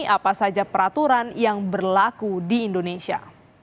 apa saja peraturan yang berlaku di indonesia